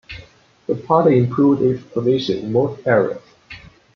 The party improved its position in most areas.